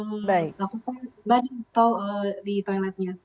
melakukan ibadah di toiletnya